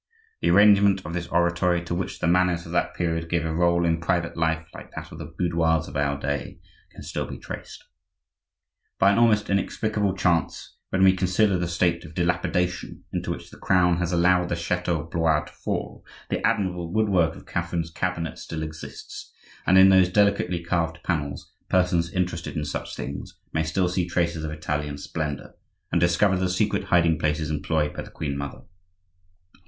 The arrangement of this oratory, to which the manners of that period gave a role in private life like that of the boudoirs of our day, can still be traced. By an almost inexplicable chance, when we consider the state of dilapidation into which the Crown has allowed the chateau of Blois to fall, the admirable woodwork of Catherine's cabinet still exists; and in those delicately carved panels, persons interested in such things may still see traces of Italian splendor, and discover the secret hiding places employed by the queen mother.